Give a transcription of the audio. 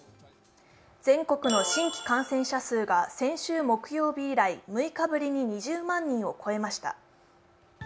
全国の新規感染者数が先週木曜日以来６日ぶりに２０万人を超えました。